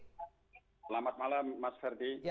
selamat malam mas ferdi